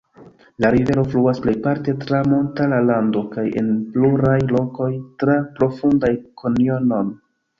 La rivero fluas plejparte tra montara lando kaj en pluraj lokoj tra profundaj kanjonoj.